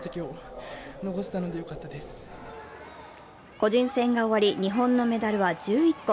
個人戦が終わり、日本のメダルは１１個。